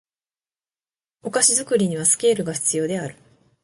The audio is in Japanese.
お菓子作りにはスケールが必要である